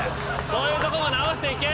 そういうとこも直していけ。